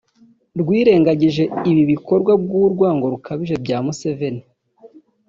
rwirengagije ibi bikorwa bw’urwango rukabije bya Museveni